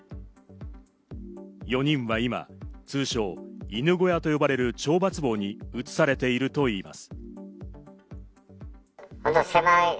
４人は今、通称・犬小屋と呼ばれる懲罰房に移されているといいます。